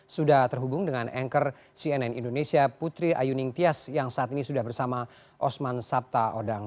sudah terhubung dengan anchor cnn indonesia putri ayuning tias yang saat ini sudah bersama osman sabta odang